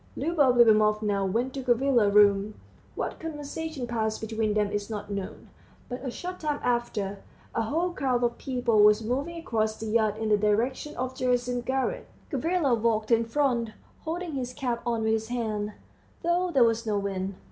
Liubov Liubimovna went to Gavrila's room. What conversation passed between them is not known, but a short time after, a whole crowd of people was moving across the yard in the direction of Gerasim's garret. Gavrila walked in front, holding his cap on with his hand, though there was no wind.